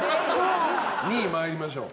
２位参りましょう。